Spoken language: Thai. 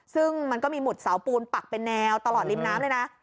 ซึ่งมันก็มีหุดเสาปูนปักเป็นแนวตลอดริมน้ำเลยนะ